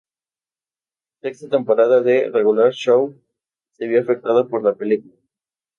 La sexta temporada de Regular Show se vio afectada por la película.